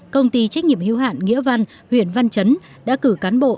công ty trách nhiệm hưu hạn nghĩa văn huyện văn chấn đã cử cán bộ